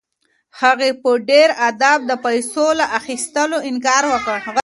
هغې په ډېر ادب د پیسو له اخیستلو انکار وکړ.